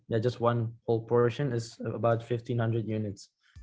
hanya satu bagian sekitar seribu lima ratus unit